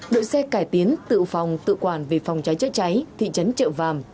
đội xe cải tiến tự phòng tự quản về phòng cháy chữa cháy thị trấn trợ vàm